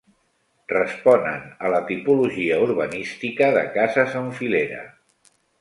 Responen a la tipologia urbanística de cases en filera.